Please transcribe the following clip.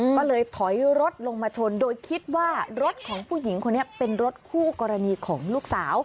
ก็เลยถอยรถลงมาชนโดยคิดว่ารถของผู้หญิงคนนี้เป็นรถคู่กรณีของลูกสาว